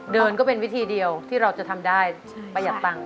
ก็เป็นวิธีเดียวที่เราจะทำได้ประหยัดตังค์